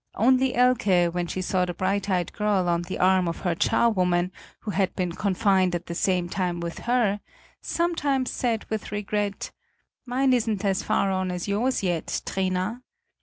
Only Elke, when she saw the bright eyed girl on the arm of her charwoman, who had been confined at the same time with her, sometimes said with regret: "Mine isn't as far on as yours yet, Trina."